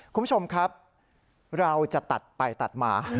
คุณผู้ชมครับเราจะตัดไปตัดมา